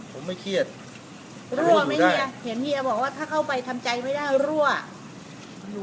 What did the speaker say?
ผมไม่เครียดรั่วไหมเฮียเห็นเฮียบอกว่าถ้าเข้าไปทำใจไม่ได้รั่ว